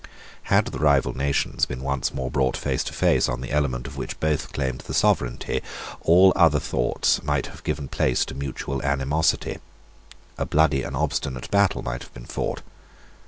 Had the rival nations been once more brought face to face on the element of which both claimed the sovereignty, all other thoughts might have given place to mutual animosity. A bloody and obstinate battle might have been fought.